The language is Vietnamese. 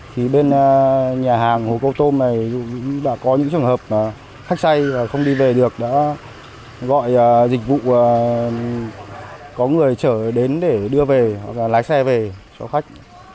thì bên nhà hàng hồ câu tôm này đã có những trường hợp khách xay không đi về được đã gọi dịch vụ có người trở đến để đưa về hoặc lái xe về cho khách